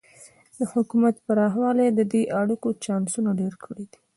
د حکومت پراخوالی د دې اړیکو چانسونه ډېر کړي دي.